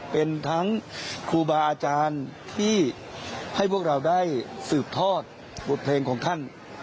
เป็นทั้งครูบาอาจารย์ที่ให้พวกเราได้สืบทอดบทเพลงของท่าน